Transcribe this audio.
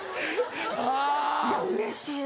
いやうれしいです。